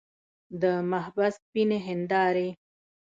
د محبس سپینې هندارې.